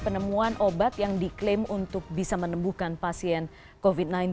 penemuan obat yang diklaim untuk bisa menembuhkan pasien covid sembilan belas